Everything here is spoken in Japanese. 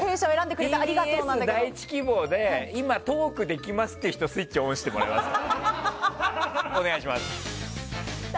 ＴＢＳ第１希望で今、トークできますという方スイッチオンしてもらえますか。